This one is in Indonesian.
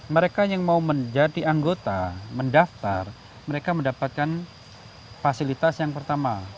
mereka yang mau menjadi anggota mendaftar mereka mendapatkan fasilitas yang pertama